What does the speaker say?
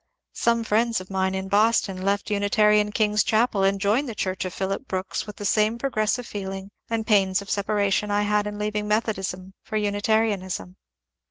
Some friends of mine in Boston left Unitarian King's Chapel and joined the church of Phillips Brooks with the same pro gressive feeling and pains of separation I had in leaving Methodism for Unitarianism.